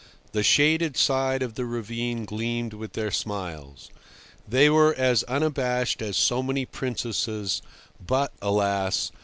The shaded side of the ravine gleamed with their smiles. They were as unabashed as so many princesses, but, alas!